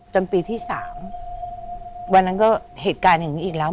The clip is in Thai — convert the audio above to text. จนปีที่๓วันนั้นก็เหตุการณ์อย่างนี้อีกแล้ว